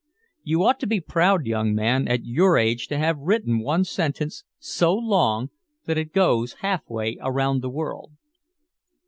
You ought to be proud, young man, at your age to have written one sentence so long that it goes half way around the world."